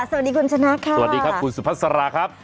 สวัสดีคุณชนะคุณสุภัสรา